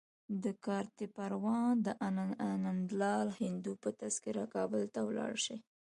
د کارته پروان د انندلال هندو په تذکره کابل ته ولاړ شي.